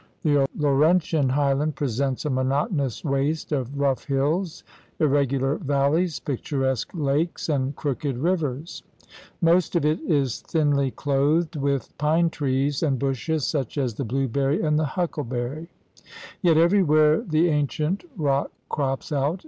The Laurentian highland presents a monotonous waste of rough hills, irregular valleys, picturesque lakes, and crooked rivers. Most of it is thinly clothed with pine trees and bushes such as the blueberry and huckleberry. Yet everywhere the ancient rock crops out.